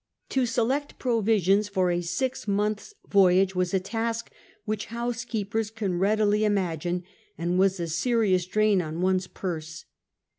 To select provisions for a six months' voyage was a task which housekeepers can readily imag ine, and was a serious drain on one 's purse.